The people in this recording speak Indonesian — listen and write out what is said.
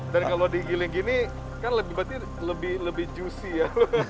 dan kalau digiling gini kan berarti lebih juicy ya